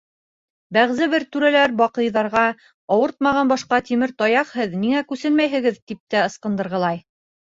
Бәғзе бер түрәләр баҡыйҙарға, ауыртмаған башҡа тимер таяҡ һеҙ, ниңә күсенмәйһегеҙ, тип тә ысҡындырғылай.